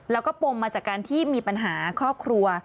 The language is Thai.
แล้วก็ปมมาจากการที่มีปัญหาครอบครัว